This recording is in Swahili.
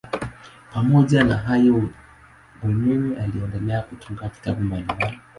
Pamoja na hayo mwenyewe aliendelea kutunga vitabu mbalimbali.